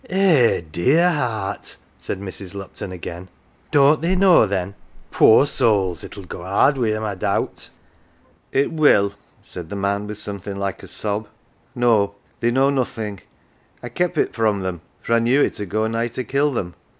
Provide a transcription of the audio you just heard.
" Eh, dear heart !" said Mrs. Lupton again. " Don't they know, then ? Poor souls ! it'll go 'ard wi' 'em, I doubt." " It will," said the man with something like a sob. " No, they know nothing ; I kep' it from them, for I knew it 'ud go nigh to kill them.